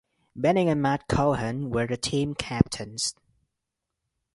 Benning and Matt Cohen were the team captains.